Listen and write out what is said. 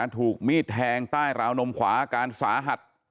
ถูกมีดแทงใต้ราวนมขวาอาการสาหัส